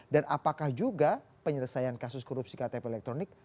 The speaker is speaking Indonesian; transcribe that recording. dan apakah juga penyelesaian kasus korupsi ktp elektronik